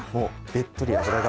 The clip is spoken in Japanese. べっとり脂が。